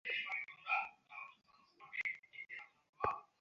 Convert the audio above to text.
তিনি এই কৌশল শেখান।